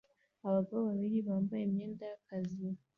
Abagabo babiri bambaye imyenda y'akazi